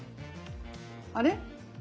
あれ？